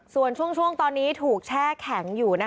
ส่วนช่วงตอนนี้ถูกแช่แข็งอยู่